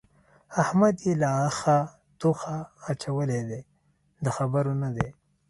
احمد يې له اخه توخه اچولی دی؛ د خبرو نه دی.